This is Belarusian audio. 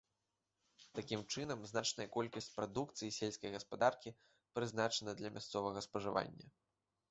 Такім чынам, значная колькасць прадукцыі сельскай гаспадаркі прызначана для мясцовага спажывання.